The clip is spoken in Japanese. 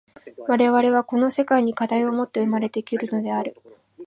我々はこの世界に課題をもって生まれ来るのである。